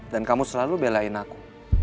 dan kamu selalu belain aku